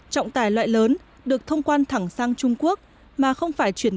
trọng tài loại lớn được thông quan thẳng sang trung quốc mà không phải truyền tài